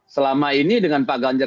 selama ini dengan pak ganjar